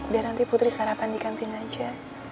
biar nanti putri sarapan di kantin aja